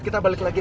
kita balik lagi